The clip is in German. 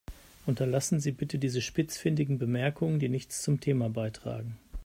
Unterlassen Sie bitte diese spitzfindigen Bemerkungen, die nichts zum Thema beitragen.